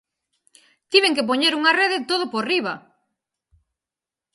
Tiven que poñer unha rede todo por riba.